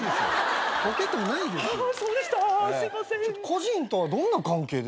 故人とはどんな関係ですか？